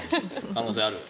可能性はある。